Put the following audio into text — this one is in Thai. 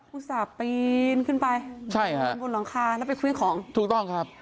ต่าปีนขึ้นไปใช่ฮะบนหลังคาแล้วไปเครื่องของถูกต้องครับ